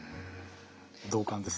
同感です。